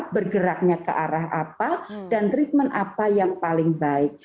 bergeraknya ke arah apa dan treatment apa yang paling baik